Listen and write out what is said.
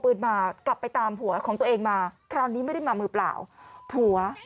ปืนมากลับไปตามผัวของตัวเองมาคราวนี้ไม่ได้มามือเปล่าผัว